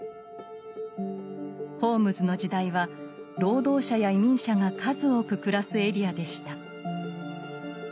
ホームズの時代は労働者や移民者が数多く暮らすエリアでした。